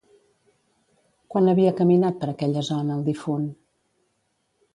Quan havia caminat per aquella zona el difunt?